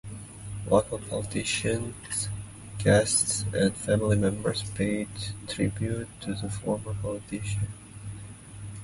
Local politicians, guests and family members paid tribute to the former politician.